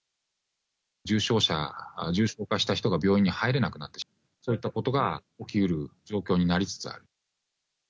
重症者、重症化した人が病院に入れなくなってしまうと、そういったことが起きうる状況になりつつある。